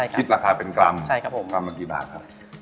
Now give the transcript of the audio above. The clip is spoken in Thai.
คำหามากี่บาทครับ